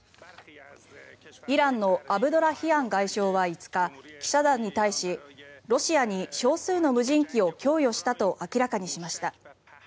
イランのアブドラヒアン外相は５日記者団に対しロシアに少数の無人機を供与したと明らかにしました。